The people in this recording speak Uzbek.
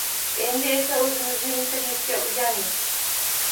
Endi esa, o`zimizni internetga urganmiz